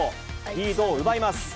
リードを奪います。